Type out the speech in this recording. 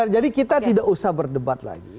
jadi kita tidak usah berdebat lagi